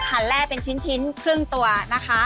แร่เป็นชิ้นครึ่งตัวนะคะ